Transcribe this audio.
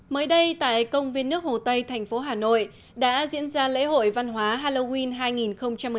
mới đây tại công viên nước hồ tây thành phố hà nội đã diễn ra lễ hội văn hóa halloween hai nghìn một mươi chín